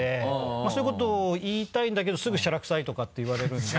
まぁそういうことを言いたいんだけどすぐ「しゃらくさい」とかって言われるんで。